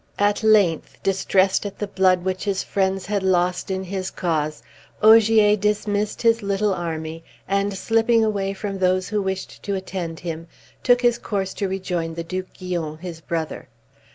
At length, distressed at the blood which his friends had lost in his cause, Ogier dismissed his little army, and slipping away from those who wished to attend him, took his course to rejoin the Duke Guyon, his brother.